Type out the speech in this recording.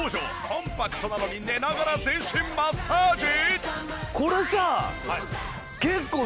コンパクトなのに寝ながら全身マッサージ！？